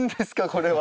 これは。